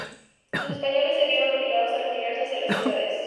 Los españoles se vieron obligados a retirarse hacia las ciudades.